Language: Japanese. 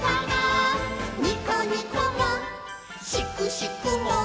「にこにこもしくしくも」